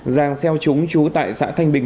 giàng xeo chúng trú tại xã thanh bình